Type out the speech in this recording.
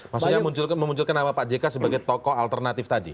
maksudnya memunculkan nama pak jk sebagai tokoh alternatif tadi